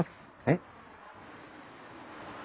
えっ？